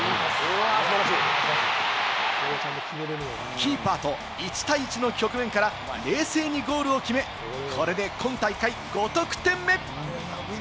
キーパーと１対１の局面から冷静にゴールを決め、これで今大会５得点目！